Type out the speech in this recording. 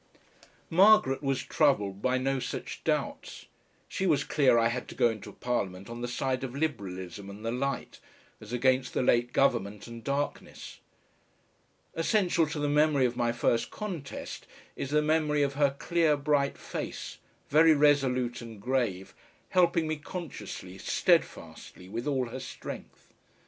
Margaret was troubled by no such doubts. She was clear I had to go into Parliament on the side of Liberalism and the light, as against the late Government and darkness. Essential to the memory of my first contest, is the memory of her clear bright face, very resolute and grave, helping me consciously, steadfastly, with all her strength.